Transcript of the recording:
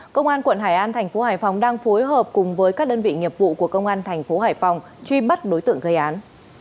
công an quận hải an tp hải phòng đang phối hợp cùng với các đơn vị nghiệp vụ của công an tp hải phòng truy bắt đối tượng gây án